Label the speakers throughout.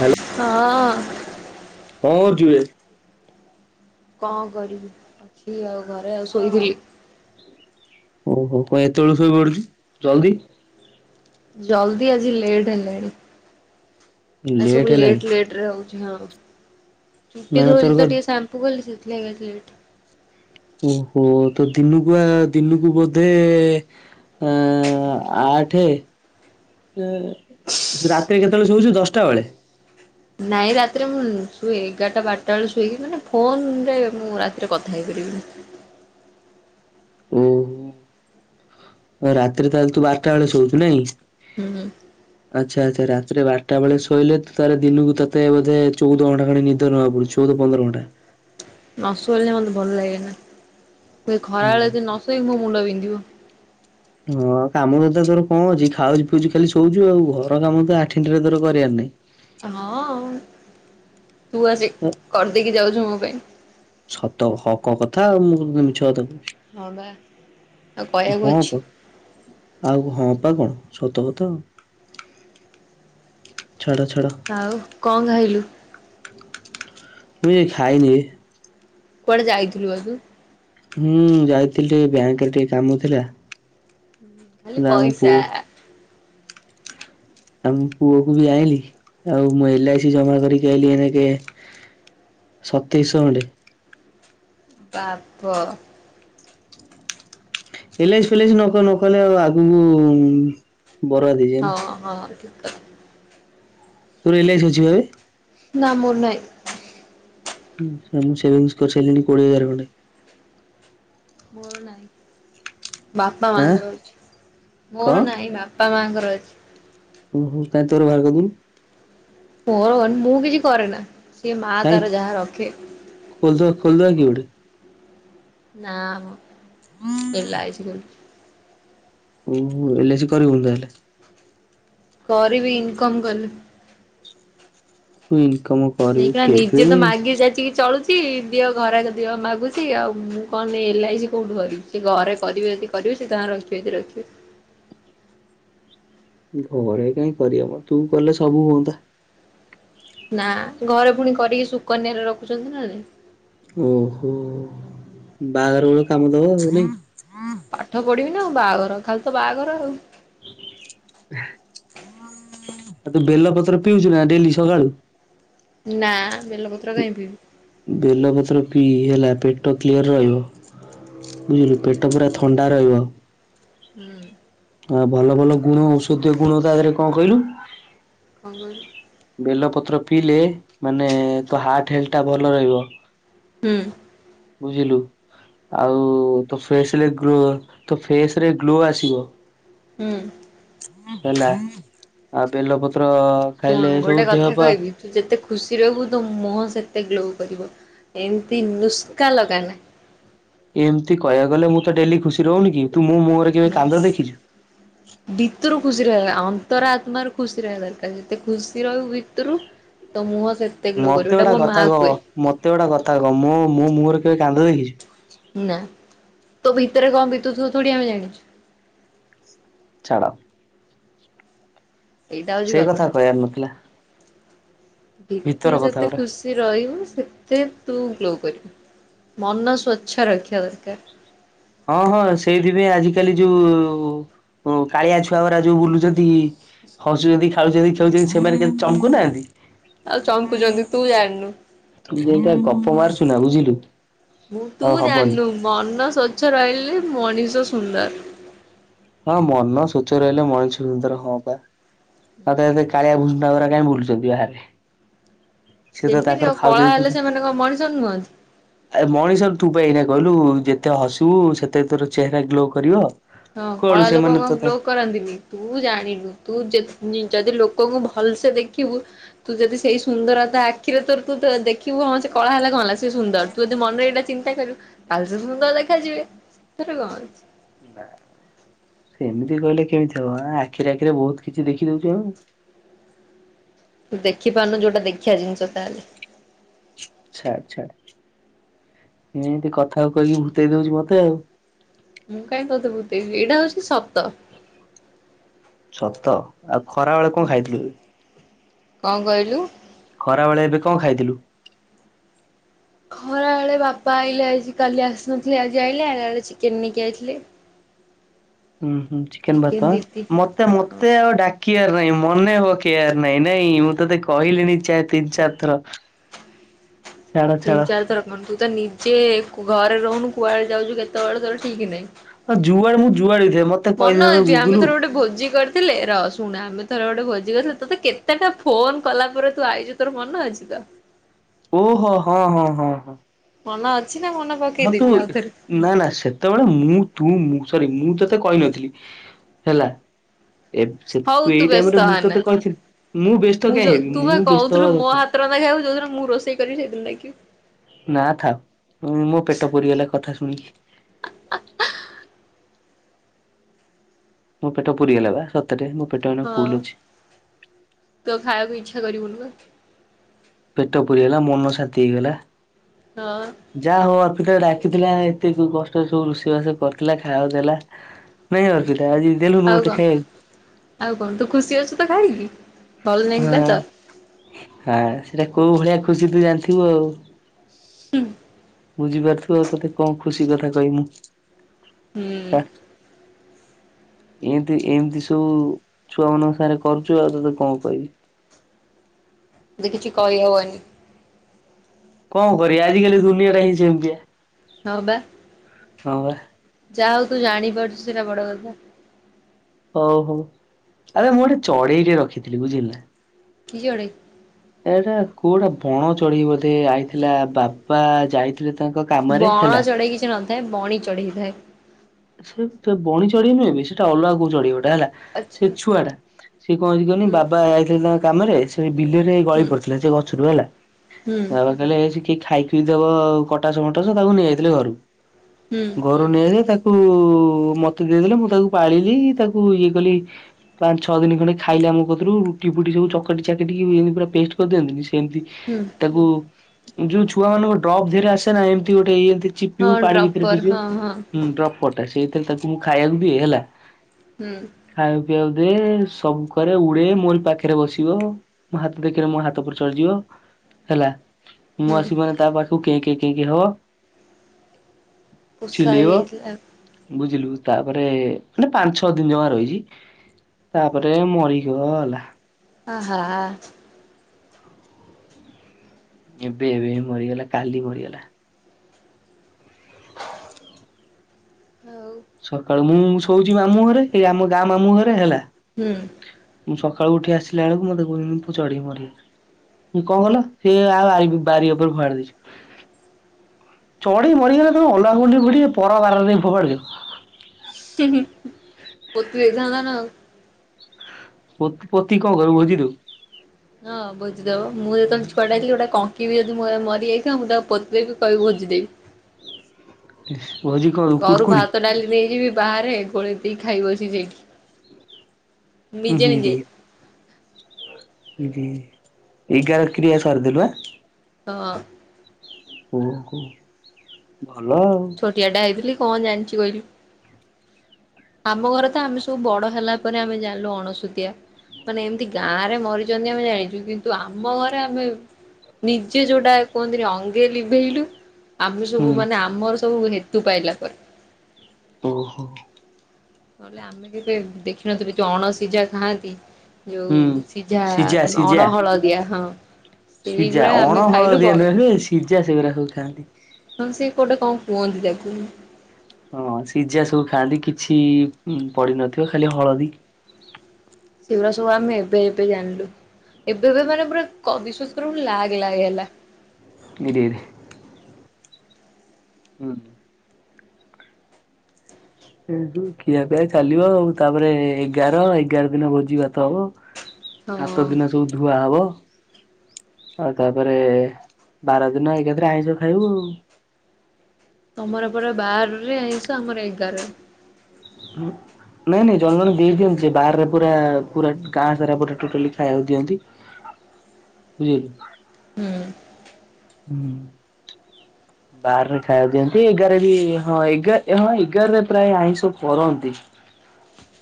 Speaker 1: Hello.
Speaker 2: ହଁ।
Speaker 1: କଁ କରୁଚୁବେ?
Speaker 2: କଣ କରିବି ଅଛି ଆଉ ଘରେ ଆଉ ଶୋଇଥିଲି।
Speaker 1: ଉଁ ହୁଁ କଣ ଏତେବେଳ ଶୋଇ ପଡୁଛୁ ଜଲ୍ଦୀ।
Speaker 2: ଜଲଦି ଆଜି ଲେଟ୍ ହେଲାଣି
Speaker 1: ଲେଟ୍
Speaker 2: ଆସବୁ
Speaker 1: ହେଲାଣି
Speaker 2: ଲେଟ ଲେଟ ରହୁଚି ହଁ ଚୁଟି
Speaker 1: ମାନେ ତୋର
Speaker 2: ଧୋଇଲି
Speaker 1: କଣ
Speaker 2: ତ ଟିକେ ସାମ୍ପୁ କଲି ସେଥିଲାଗି ଆଜି ଲେଟ୍।
Speaker 1: ଓହୋ ତ ଦିନକୁ ଆ ଦିନକୁ ବୋଧେ ଏଁ ଆଠେ ରାତିରେ କେତେବେଳେ ଶୋଉଚୁ ଦଶଟା ବେଳେ?
Speaker 2: ନାଇଁ ରାତିରେ ମୁଁ ଶୁଏ ଏଗାରଟା ବାରଟା ବେଳେ ଶୋଇକି ମାନେ ଫୋନ୍ ରେ ମୁଁ ରାତିରେ କଥା ହେଇପାରିବିନି।
Speaker 1: ଓହୋ ରାତିରେ ତାହେଲେ ତୁ ବାରଟା ବେଳେ ଶୋଉଚୁ ନାଇଁ?
Speaker 2: ହୁଁ- ହୁଁ।
Speaker 1: ଆଚ୍ଛା ଆଚ୍ଛା ରାତିରେ ବାର୍ ଟା ବେଳେ ଶୋଇଲେ ତାପରେ ଦିନକୁ ତତେ ବୋଧେ ଚଉଦ ଘଣ୍ଟା ଖଣ୍ଡେ ନିଦ ନବାକୁ ପଡୁଚି। ଚଉଦ ପନ୍ଦର ଘଣ୍ଟା।
Speaker 2: ନ ଶୋଇଲେ ମୋତେ ଭଲ୍ ଲାଗେନା ଖରା
Speaker 1: ହୁଁ
Speaker 2: ବେଳେ ଯଦି ନ ଶୋଇବି ମୋ ମୁଣ୍ଡ ବିନ୍ଧିବ।
Speaker 1: ହଁ କାମ ତ ତୋର କଣ ଅଛି ଖାଉଚୁ ପିଉଚୁ ଖାଲି ଶୋଉଚୁ ଆଉ ଘର କାମ ତ ଆଠିଣି ଟେ ତୋର କରିବାର ନାହିଁ।
Speaker 2: ହଁ ତୁ ଆସିକି କରିଦେଇକି ଯାଉଚୁ ମୋ ପାଇଁ।
Speaker 1: ସତ ହକ କଥା ଆଉ ମୁଁ କଣ ମିଛ କଥା କହୁଚି।
Speaker 2: ହଁ ବା ଆଉ କହିବାକୁ
Speaker 1: ପା
Speaker 2: ଅଛି।
Speaker 1: ଆଉ ହଁ ପା କଣ ସତ କଥା ଆଉ। ଛାଡ଼ ଛାଡ଼।
Speaker 2: ଆଉ କଣ୍ ଖାଇଲୁ?
Speaker 1: ମୁଁ କିଛି ଖାଇନି ବେ।
Speaker 2: କୁଆଡ଼େ ଯାଇଥିଲୁ ବା ତୁ?
Speaker 1: ହୁଁ ଯାଇଥିଲି ଟିକେ ବ୍ୟାଙ୍କରେ ଟିକେ କାମ ଥିଲା।
Speaker 2: ଖାଲି
Speaker 1: ନା ଆମ ପୁଅ
Speaker 2: ପଇସା।
Speaker 1: ଆମ୍ ପୁଅକୁ ବି ଆଣିଲି ଆଉ ମୁଁ ଏଲ ଆଇ ସି ଜମା କରିକି ଆଇଲି ଏଇନାକେ। ସତେଇଶ ଖଣ୍ଡେ।
Speaker 2: ବାପ।
Speaker 1: ଏଲ ଆଇ ସି ଫେଲାଇସି ନ କଲେ ଆଉ ଆଗୁକୁ ବରବାଦ୍ ହେଇଯିବି।
Speaker 2: ହଁ -ହଁ ଠିକ୍ କଥା।
Speaker 1: ତୋର ଏଲ୍ ଆଇ ସି ଅଛି ପା ବେ?
Speaker 2: ନା ମୋର ନାହିଁ।
Speaker 1: ମୁଁ ସେଭିଙ୍ଗ୍ -ସେଭିଙ୍ଗସ୍ କରିସାରିଲିଣି କୋଡିଏ ହଜାର ଖଣ୍ଡେ।
Speaker 2: ମୋର ନାହିଁ ବାପା
Speaker 1: ଆଁ
Speaker 2: ମାଙ୍କର ଅଛି
Speaker 1: କଣ
Speaker 2: ମୋର ନାହିଁ ବାପ୍ ବାପା ମା ଙ୍କର ଅଛି।
Speaker 1: ଓ ହୋ କାଁଇ ତୋର ବାହାର କରି ଦଉନୁ?
Speaker 2: ମୋର କନ୍ ମୁଁ କିଛି କରେନା ସିଏ ମା ତାର ଯାହା ରଖେ।
Speaker 1: ଖୋଲ୍ ଦବା -ଖୋଲିଦବା କି ଗୋଟେ?
Speaker 2: ନାଁ ମ ଏଲ୍ ଆଇ ସି କରୁଚି।
Speaker 1: ଓ ହୁ ଏଲ ଆଇ ସି କରିବୁନି ତାହେଲେ?
Speaker 2: କରିବି ଇନକମ୍ କଲେ।
Speaker 1: ତୁ ଇନକମ୍
Speaker 2: ଏଇଖିଣା ନିଜେ ତ ମାଗି ଯାଚି କି ଚଳୁଚି ଚି ଦିଅ ଘରକୁ ଦିଅ ମାଗୁଚି ଆଉ ମୁଁ କଣ ଏଲ୍ ଆଇ ସି କଉଠି ଭରିବି ସେ ଘରେ କରିବେ ଯଦି କ କରିବେ ସେ ତାଙ୍କର ରଖିବେ ଯଦି ରଖିବେ।
Speaker 1: ଘରେ କାହିଁ କରିବେ ମ ତୁ କଲେ ସବୁ ହୁଅନ୍ତା।
Speaker 2: ନା ଘରେ ପୁଣି କରିକି ସୁକନ୍ୟାରେ ରଖୁଚନ୍ତି ନା ନାହିଁ।
Speaker 1: ଓହୋ ବାହାଘର ବଳେ କାମ ଦବ ସେଥି ପାଇଁ
Speaker 2: ପାଠ ପଢିବି ନା ଆଉ ବାହାଘର ଖାଲି ତ ବାହାଘର ଆଉ।
Speaker 1: ଆଉ ତୁ ବେଲପତ୍ର ପିଉଚୁ ନା ଡେଲି ସକାଳୁ?
Speaker 2: ନା ବେଲପତ୍ର କାହିଁକି ପିଇବି?
Speaker 1: ବେଲପତ୍ର ପି ହେଲା ପେଟ କ୍ଲିୟର୍ ରହିବ। ବୁଝିଲୁ ପେଟ ପୁରା ଥଣ୍ଡା ରହିବ।
Speaker 2: ହୁଁ।
Speaker 1: ଆଉ ଭଲ ଭଲ ଗୁଣ ଔଷଧୀୟ ଗୁଣ ତା ଦେହରେ କଣ କହିଲୁ?
Speaker 2: କଣ୍ କହିଲୁ?
Speaker 1: ବେଲ ପତ୍ର ପିଇଲେ ମାନେ ତୋ ହାର୍ଟ ହେଲଥଟା ଭଲ ରହିବ।
Speaker 2: ହୁଁ।
Speaker 1: ବୁଝିଲୁ। ଆଉ ତୋ ଫେସରେ ଗ୍ଲୋ ତୋ ଫେସ ରେ ଗ୍ଲୋ ଆସିବ।
Speaker 2: ହୁଁ।
Speaker 1: ହେଲା ଆଉ ବେଲପତ୍ର
Speaker 2: ଶୁଣୁ
Speaker 1: ଖାଇଲେ
Speaker 2: ଗୋଟେ
Speaker 1: ସବୁ ଦେହ
Speaker 2: କଥା
Speaker 1: ପା।
Speaker 2: କହିବି ତୁ ଯେତେ ଖୁସି ରହିବୁ ତୋ ମୁହଁ ସେତେ ଗ୍ଲୋ କରିବ ଏମିତି ନୁସ୍କା ଲଗାନା।
Speaker 1: ଏମିତି କହିବାକୁ ଗଲେ ମୁଁ ତ ଡେଲି ଖୁସି ରହୁନି କି ତୁ ମୁଁ ମୋ ମୁହଁରେ। କେବେ କାନ୍ଦ
Speaker 2: ବାସ୍।
Speaker 1: [unintelligible]
Speaker 2: ଭିତୁରୁ ଖୁସି ରହିବା ଅନ୍ତର ଆତ୍ମାରୁ ଖୁସି ରହିବା ଦରକାର ଯେତେ ଖୁସି ରହିବ ଭିତୁରୁ। ତୋ ମୁହଁ ସେତ।
Speaker 1: ମତେ ଗୋଟେ କଥା କହ ମତେ ଗୋଟେ କଥା କହ ମୋ ମୁହଁରେ କେବେ କାନ୍ଦ ଦେଖିଛୁ।
Speaker 2: ନା ତୋ ଭିତରେ କଣ ଭିତରୁ ଥିବ ଥୋଡି ଆମେ ଜାଣିଛୁ।
Speaker 1: ଛାଡ଼।
Speaker 2: ସେଇଟା ହଉଛି
Speaker 1: ସେ କଥା କହିବାର ନଥିଲା। ଭିତର
Speaker 2: ଭିତୁରୁ
Speaker 1: କଥା
Speaker 2: ଯେତେ
Speaker 1: ଗୁରା।
Speaker 2: ଖୁସି। ରହିବୁ ସେତେ ତୁ ଗ୍ଲୋ କରିବୁ ମନ ସ୍ୱଚ୍ଛ ରଖିଆ ଦରକାର୍।
Speaker 1: ହଁ ହଁ ସେଇଥିପାଇଁ ଆଜିିକାଲି ଯୋଉ କାଳିଆ ଛୁଆ ଗୁରା ଯୋଉ ବୁଲୁଛନ୍ତି। ହସୁଚନ୍ତି ଖାଉଚନ୍ତି ଖେଳୁଚନ୍ତି ସେମାନେ କେତେ ଚମ୍କୁ ନାହାନ୍ତି।।
Speaker 2: ଆଉ ଚମ୍କୁଚନ୍ତି ତୁ ଜାଣିନୁ।
Speaker 1: ତୁ ଏମିତିକା ଗପ ମାରୁଚୁ ନା ବୁଝିଲୁ।
Speaker 2: ମୁଁ ତୁ
Speaker 1: ଆଉ ହବନି।
Speaker 2: ଜାଣିନୁ ମନ ସ୍ଵଚ୍ଛ ରହିଲେ ମଣିଷ ସୁନ୍ଦର୍।
Speaker 1: ହଁ ମନ ସ୍ୱଚ୍ଛ ରହିଲେ ମଣିଷ ସୁନ୍ଦର ହଁ ପା। ଆଉ ତାହେଲେ କାଳିଆ ଭୁସୁଣ୍ଡା ଗୁରା କାଇଁ ବୁଲୁଚନ୍ତି ବାହାରେ। ସେ ତ
Speaker 2: ସେମିତି
Speaker 1: ତାଙ୍କର
Speaker 2: ଆଉ
Speaker 1: ଖାଉଛନ୍ତି
Speaker 2: କଳା
Speaker 1: ପିଉଛନ୍ତି
Speaker 2: ହେଲେ ସେମାନେ କଣ ମଣିଷ ନୁହଁନ୍ତି।
Speaker 1: ଏ ମଣିଷ ତୁ ପା ଏଇନା କହିଲୁ ଯେତେ ହସିବୁ ସେତେ ତୋର ଚେହେରା ଗ୍ଲୋ କରିବ।
Speaker 2: ହଁ
Speaker 1: କୁଆଡୁ
Speaker 2: କଳା ଲୋକ
Speaker 1: ସେମାନେ
Speaker 2: କଣ
Speaker 1: ତ ତା
Speaker 2: ଗ୍ଲୋ କରନ୍ତିନି। ତୁ ଜାଣିନୁ ତୁ ଯେତ୍ ନି ଯଦି ଲୋକଙ୍କୁ ଭଲସେ ଦେଖିବୁ। ତୁ ଯଦି ସେଇ ସୁନ୍ଦରତା ଆଖିରେ ତୋର ତୁ ତ ଦେଖିବୁ ହଁ ସେ। କଳା ହେଲେ କଣ ହେଲା ସିଏ ସୁନ୍ଦର ତୁ ଯଦି ମନେରେ ଏଇଟା ଚିନ୍ତା କରିବୁ। ଆଉ ସେ ସୁନ୍ଦର୍ ଦେଖାଯିବେ ସେଥିରେ କଣ ଅଛି।
Speaker 1: ନାଁ ସେମିତି କହିଲେ କେମିତି ହବ ଆଁ ଆଖିରେ ଆଖିରେ ବହୁତ କିଛି ଦେଖିଦଉଚୁ ଆମେ।
Speaker 2: ତୁ ଦେଖି ପାରୁନୁ ଯୋଉଟା ଦେଖିଆ ଜିନିଷ ତାହେଲେ।
Speaker 1: ଛାଡ଼ ଛାଡ଼ ଏନ୍ତି କଥାକୁ କହିକି ଭୂତେଇ ଦଉଚି ମତେ ଆଉ।
Speaker 2: ମୁଁ କାଇଁ ତତେ ଭୁତେଇବି ଏଇଟା ହଉଚି ସତ।
Speaker 1: ସତ ଆଉ ଖରା ବଳେ କଣ ଖାଇଥିଲୁ।
Speaker 2: କଣ କହିଲୁ।
Speaker 1: ଖରାବଳେ ଏବେ କଣ ଖାଇଥିଲୁ।
Speaker 2: ଖରାବେଳେ ବାପା ଆଇଲେ ଆଜି କାଲି ଆସିନଥିଲେ ଆଜି ଆଇଲେ ଆଇଲା ଏଳେ ଚିକେନ୍ ନେଇକି ଆଇଥିଲେ।
Speaker 1: ଉଁ ହୁଁ ଚିକେନ୍
Speaker 2: ଚିକେନ
Speaker 1: ଭାତ
Speaker 2: ଦି ଦି
Speaker 1: ଆଁ ମତେ
Speaker 2: ହଁ।
Speaker 1: ମୋତେ ଆଉ ଡାକ। କିବାର ନାଇଁ ମନେପକେଇବାର ନାଇଁ ନାଇଁ ମୁଁ ତତେ କହିଲିଣିି ଚାରି ତିନି ଚାରିଥର। [inaudible]
Speaker 2: ତିନି ଚାରି ଥର କଣ ତୁ ତ ନିଜେ କୁ ଘରେ ରହୁନୁ କୁଆଡେ ଯାଉଚୁ କେତେବେଳେ ତୋର ଠିକ୍ ନାଇଁ।
Speaker 1: ହଁ ଯୁଆଡ଼େ ମୁଁ ଯୁଆଡେ ଯାଏ ମତ।
Speaker 2: ମନ ଅଛି ଆମେ ଥରେ ଗୋଟେ ଭୋଜି କରି। ଥିଲେ ର ଶୁଣେ ଆମେ ଥରେ ଗୋଟେ ଭୋଜି କରିଥିଲୁ ତୋତେ କେତେଟା ଫୋନ କଲା ପରେ ତୁ ଆଇଚୁ ତୋର ମନ ଅଛି ତ।
Speaker 1: ଓହୋ ହଁ ହଁ ହଁ ହଁ।
Speaker 2: ମନ ଅଛି ନା ମନ।
Speaker 1: ହଁ ତୁଇକ। ନା ନା ସେତବଳେ ମୁଁ ତୁ ମୁଁ ସରି ମୁଁ ତତେ କହିନଥିଲି ହେଲା। ଏବ୍ ସେ
Speaker 2: ହଉ
Speaker 1: ତୁ ଏଇ
Speaker 2: ବ୍ୟସ୍ତ
Speaker 1: ଟାଇମରେ ମୁଁ
Speaker 2: ହନା।
Speaker 1: ତତେ କହିଥିଲି ମୁଁ ବ୍ୟସ୍ତ କାଇଁ
Speaker 2: ଯୋଉ
Speaker 1: ହେବି
Speaker 2: ତୁ ବା
Speaker 1: ମୁଁ ବ୍ୟସ୍ତ
Speaker 2: କହୁଥିଲୁ
Speaker 1: ହବା
Speaker 2: ମୋ
Speaker 1: ଦର୍କାର୍
Speaker 2: ହାତ ରନ୍ଧା ଖାଇବୁ ଯୋଉ ଦିନ ମୁଁ ରୋଷେଇ କରିବି ସେଇଦିନ ଡାକିବି।
Speaker 1: ନାଁ ଥାଉ ଉଁ ମୋ ପେଟ ପୁରିଗଲା କଥା ଶୁଣିକି। ମୋ ପେଟ ପୁରିଗଲା ବା ସତେରେ ମୋ ପେଟ ଏଇଣା ଫୁଲ୍
Speaker 2: ହଁ
Speaker 1: ଅଛି।
Speaker 2: ତୁ ଆଉ ଖାଇଆକୁ ଇଚ୍ଛା କରିବୁନୁ ବା।
Speaker 1: ପେଟ ପୁରିଗଲା ମନ ଶାନ୍ତି ହେଇଗଲା।
Speaker 2: ହଁ।
Speaker 1: ଯା ହଉ ଅର୍ପିତ ଡାକିଥିଲା ଏତେକୁ କଷ୍ଟରେ ସବୁ ରୁଷେଇବାସ କରିଥିଲା ଖାଇଆକୁ ଦେଲା। ନାଇଁ ଅର୍ପିତା ଆଜି ଦେଲୁନୁ
Speaker 2: ଆଉ
Speaker 1: ମତେ
Speaker 2: କଣ
Speaker 1: ଖାଇଆକୁ।
Speaker 2: ଆଉ କଣ ତୁ ଖୁସି ଅଛୁ ତ ଖାଇିକି।
Speaker 1: ହଁ ହଁ ସେଇଟା କୋଉ ଭଳିଆ ଖୁସି ତୁ ଜାଣିଥିବୁ ଆଉ।
Speaker 2: ହୁଁ।
Speaker 1: ବୁଝିପାରୁଥିବୁ ଆଉ ତତେ କଣ ଖୁସି କଥା କହିବି ମୁଁ
Speaker 2: ହୁଁ
Speaker 1: ଛାଡ୍ ଏନ୍ତି ଏମ୍ତି ସବୁ ଛୁଆ ମାନଙ୍କ ସାଙ୍ଗରେ କରୁଚୁ ଆଉ ତତେ କଣ କହିବି।
Speaker 2: ଏବେ କିଛି କହିହବନି
Speaker 1: କଣ କରିବା ଆଜିକାଲି ଦୁନିଆ ଟା ହିଁ ସେମିତିଆ
Speaker 2: ହଁ ବା।
Speaker 1: ହଁ।
Speaker 2: ଯାହା ହଉ ତୁ ଜାଣିପାରୁଛୁ ସେଇଟା ବଡ଼ କଥା
Speaker 1: ହଉ ହଉ ଆରେ ମୁଁ ଗୋଟେ ଚଢ଼େଇଟେ ରଖିଥିଲି ବୁଝିଲ ନା
Speaker 2: କି ଚଢ଼େଇ
Speaker 1: ଏଟା କୋଉଟା ବଣ ଚଢ଼େଇ ବୋଧେ ଆଇଥିଲା ବାପା ଯାଇ ଯାଇଥିଲେ ତାଙ୍କ କାମରେ
Speaker 2: ବଣ
Speaker 1: ହେଲା।
Speaker 2: ଚଢ଼େଇ କିଛି ନଥାଏ ବଣୀ ଚଢ଼େଇ ଥାଏ।
Speaker 1: ସେ ବଣି ଚଢ଼େଇ ନୁହଁ ବେ ସେଟା ଅଲଗା କଉ ଚଢ଼େଇଟି ହେଲା। ସେ
Speaker 2: ଆଚ୍ଛା
Speaker 1: ଛୁଆ ଟା ସିଏ କଣ କହନି
Speaker 2: ହୁଁ।
Speaker 1: ବାବା ଯାଇଥିଲେ ତାଙ୍କ କାମରେ ସେ ବିଲରୁ
Speaker 2: ହୁଁ
Speaker 1: ଗଳି ପଡ଼ିଥିଲେ ସେ ଗଛରୁ ହେଲା
Speaker 2: ହୁଁ
Speaker 1: ତା ସେ କହିଲେ କି ଖାଇ ଖୁଇ ଦବ କଟାସ ମଟାସ ତାକୁ ନେଇଯାଇଥିଲେ ଘରୁକୁ
Speaker 2: ହୁଁ।
Speaker 1: ଘରକଉ ନେଇ ଆଇଲେ ତାକୁ ମତେ ଦେଇଦେଲେ ମୁଁ ତାକୁ ପାଳିଲି ତାକୁ ଇଏ କଲି ପାଞ୍ଚ ଛଅ ଦିନ ଖଣ୍ଡେ ଖାଇଲେ ଆମ କତିରୁ ରୁଟି ଫୁଟି ସବୁ ଚକଟି ଚାକିଟି ଏମତି ପୁରା ପେଷ୍ଟ୍ କରିଦିଅନ୍ତିନି ସେମିତି
Speaker 2: ହୁଁ।
Speaker 1: ତାକୁ ଯୋଉ ଛୁଆ ମାନଙ୍କ ଡ୍ରପ୍ ଧିଏରେ ଆସେ ନା ଏମିତି ଗୋଟେଇମ ଚିପ୍ୟୁ
Speaker 2: ହଁ
Speaker 1: ପାଣି ଭିତରେ
Speaker 2: ଡ୍ରପର ହଁ ହଁ।
Speaker 1: ପଡ଼ିଯିବ ଡ୍ରପ୍ କଟା ସେଇଥି ତାକୁ ମୁଁ ଖାଇବାକୁ ଦିଏ ହେଲା
Speaker 2: ହୁଁ।
Speaker 1: ଖାଇବାକୁ ପିଇବାକୁ ଦିଏ ସବୁକରେ ଉଡ଼େ ମୋରି ପାଖରେ ବସିବ ମୋ ହାତ ଦେଖିଲେ ମୋ ହାତ ଉପରେ ଚଢ଼ିଯିବ ହେଲା ମୁଁ
Speaker 2: ହୁଁ
Speaker 1: ଆସିବି ମାନେ ତା ପାଖକୁ କେଁ କେଁ କେଁ କେଁ ହବ
Speaker 2: ପୋଷା
Speaker 1: ଚିଲ୍ଲେଇବ
Speaker 2: ହେଇଯାଇଥିଲା
Speaker 1: ବୁଝିଲୁ ତାପରେ ମାନେ ପାଞ୍ଚ ଛଅ ଦିନ ଜମା ରହିଛି ତାପରେ ମରିଗଲା
Speaker 2: ଆହା।
Speaker 1: ଏବେ ଏବେ ମରିଗଲା କାଲି ମରିଗଲା।
Speaker 2: ଆଉ।
Speaker 1: ସକାଳୁ ମୁଁ ଶୋଉଛି ମାମୁଁ ଘରେ ଏଇ ଆମ ଗାଁ ମାମୁଁ ଘରେ ହେଲା
Speaker 2: ହୁଁ।
Speaker 1: ମୁଁ ସକାଳୁ ଉଠି ଆସିଲା ବେଳକୁ ମତେ କହୁଛନ୍ତି ତୋ ଚଢ଼େଇ ମରିଗଲା। କଣ କଲ ସିଏ ଆଉ ବାରି ଉପରେ ଫୋପାଡ଼ି ଦେଇଛୁ ଚଢ଼ି ମରିଗଲେ ତମେ ଅଲଗା ଗୁଣ୍ଡି ଫୁ ପର ବାର ରେ ନେଇ ଫୋପାଡ଼ି ଦେବୁ?
Speaker 2: ପୋତି ଦେଇଥାନ୍ତ ନା ଆଉ।
Speaker 1: ପୋତ୍ ପୋତି କଣ କରିବୁ ଭୋଜି ଦବୁ
Speaker 2: ହଁ ଭୋଜି ଦବ ମୁଁ ଯେତବେଳେ ଛୁଆଟାଥିଲି ଗୋଟେ ଙ୍କ କଙ୍କି ବି ଯଦି ମ ମରିଯାଇଥିବ ମୁଁ ତାକୁ ପୋତି ଦେବି କହିବି ଭୋଜିଦେବି।
Speaker 1: ଭୋଜି କଣ ଦବୁ
Speaker 2: ଘରୁ
Speaker 1: କୁୁରକୁରି
Speaker 2: ଭାତ ଡାଲି ନେଇଯିବି ବାହାରେ ଗୋଳେଇ ଦେଇକି ଖାଇ ବସି ସେଇଠି।
Speaker 1: ହୁଁ
Speaker 2: ନିଜେ ନିଜେ।
Speaker 1: ଇଏଟିକେ ଏଗାର କ୍ରିୟା ସରିଦେଲୁ ଆ।
Speaker 2: ହଁ।
Speaker 1: ଓକୁ ଭଲ ଆଉ।
Speaker 2: ଛୋଟିଆଟା ହେଇଥିଲି କଣ ଜାଣିଛି କହିଲୁ। ଆମ ଘରେ ତ ଆମେ ସବୁ ବଡ଼ ହେଲା ପରେ ଆମେ ଜାଣଲୁ ଅଣସୁଧିଆ। ମାନେ ଏମିତି ଗାଁ ରେ ମରିଚନ୍ତି ଆମେ ଜାଣିଛୁ କିନ୍ତୁ ଆମ ଘରେ ଆମେ। ନିଜେ ଯୋଉଟା କୁହନ୍ତିନି ଅଙ୍ଗେ ଲିଭେଇଲୁ। ଆମେ
Speaker 1: ହୁଁ
Speaker 2: ସବୁ ମାନେ ଆମର ସବୁ ହେତୁ ପାଇଲା ପରେ।
Speaker 1: ଓହୋ।
Speaker 2: ନହଲେ ଆମେ କେବେ ଦେଖିନଥିଲୁ ଯୋଉ ଅଣ ସିଝା ଖାଆନ୍ତି। ଯୋଉ
Speaker 1: ହୁଁ
Speaker 2: ସିଝା ଅଣ ହଳଦିଆ ହଁ।
Speaker 1: ସିଝା
Speaker 2: ସେଇଗୁରା ଆମେ
Speaker 1: ଅଣ
Speaker 2: ଖାଇଲୁ
Speaker 1: ହଳଦିଆ
Speaker 2: ବଡ
Speaker 1: ନୁହେରେ ସିଝା ସେଗୁଡ଼ାକୁ ଖାଆନ୍ତି।
Speaker 2: ହଁ ସେ ଗୋଟେ କଣ କୁହନ୍ତି ତାକୁ।
Speaker 1: ହଁ ସିଝା ସବୁ ଖାଆନ୍ତି, କିଛି ପଡିିନଥିବ ଖାଲି ହଳଦୀ।
Speaker 2: ସେଗୁରା ସବୁ ଆମେ ଏବେ ଏବେ ଜାଣିଲୁ ଏବେ ଏବେ ମାନେ ପୁରା ବିଶ୍ୱାସ କରିବୁନି ପୁରା ଲାଗ୍ ଲାଗ ହେଲା।
Speaker 1: ଇରେ ଇରେ। ହୁଁ। ଏଇଠୁ ଖିଆପିଆ ଚାଲିବ ଆଉ ତାପରେ ଏଗାର ଏଗାର ଦିନ ଭୋଜି ଭାତ ହବ। ସାତ
Speaker 2: ହଁ।
Speaker 1: ଦିନ ସବୁ ଧୁଆ ହବ। ଆଉ ତାପରେ ବାର ଦିନ ଏକାଥି୍ରେ ଆଇଁଷ ଖାଇବୁ ଆଉ।
Speaker 2: ତମର ପରା ବାରରେ ଆଇଁଷ ଆମର ଏଗାରରେ।
Speaker 1: ହୁଁ। ନାଇଁ ନାଇଁ ଜଣେ ଜଣେ ଦେଇ ଦିଅନ୍ତି ଯେ ବାହାରରେ ପୁରା ପୁରା ଗାଁ ସାରା ପୁରା ଟୋଟାଲି ଖାଇବାକୁ ଦିଅନ୍ତି। ବୁଝିଲୁ।
Speaker 2: ହୁଁ।
Speaker 1: ହୁଁ। ବାରରେ ଖାଇବାକୁ ଦିଅନ୍ତି ଏଗାର ବି ହଁ ଏଗାର ହଁ ଏଗାରରେ ପ୍ରାୟ ଆଇଁଷ କରନ୍ତି।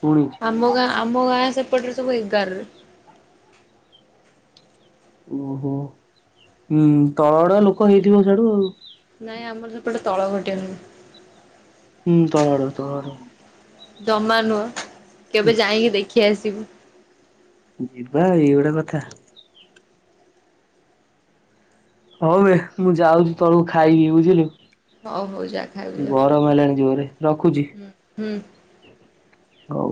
Speaker 1: ପୁଣି
Speaker 2: ଆମ ଗାଁ ଆମ ଗାଁ ସେପଟରେ ସବୁ ଏଗାରରେ।
Speaker 1: ଓହୋ ହୁଁ ତଳଆଡିଆ ଲୋକ ହେଇଥିବ ସେଇଆଡୁ ଆଉ।
Speaker 2: ନାଇଁ ଆମର ସେପଟେ ତଳ ଘାଟିଆ ନୁହଁ।
Speaker 1: ହୁଁ ତଳଆଡୁଆ ତଳଆଡୁଆ।
Speaker 2: ଜମା ନୁହଁ, କେବେ ଯାଇଁକି ଦେଖି ଆସିବୁ।
Speaker 1: ଯିବା ଏଇ ଗୋଟେ କଥା। ହଉ ଵେ ମୁଁ ଯାଉଚି ତଳକୁ ଖାଇବି ବୁଝିଲୁ।
Speaker 2: ହଉ ହଉ ଯା ଖାଇବୁ ଯା
Speaker 1: ଗରମ ହେଲାଣି ଜୋଅରେ ରଖୁଛି।
Speaker 2: ହୁଁ ହୁଁ।
Speaker 1: ହଉ।